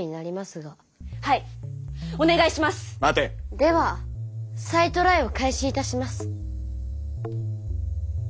では再トライを開始いたします。